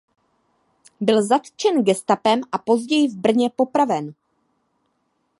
Byl zatčen gestapem a později v Brně popraven.